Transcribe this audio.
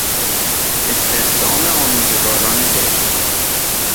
استخدام آموزگاران جدید